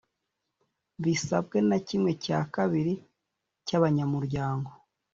bisabwe na kimwe cya kabiri cy abanyamuryango